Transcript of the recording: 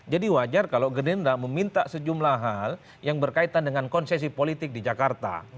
jadi wajar kalau gerindra meminta sejumlah hal yang berkaitan dengan konsesi politik di jakarta